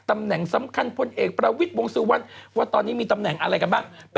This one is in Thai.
ตำแหน่งสำคัญพลเอกประวิทย์วงสุวรรณว่าตอนนี้มีตำแหน่งอะไรกันบ้าง